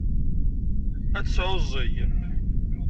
Ad tesɛuẓẓeg.